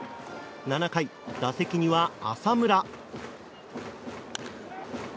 ７回、打席には浅村。